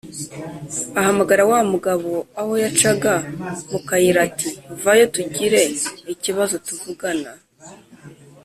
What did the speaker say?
Ahamagara wa mugabo aho yacaga mu kayira ati : “Vayo tugire ikibazo tuvugana.”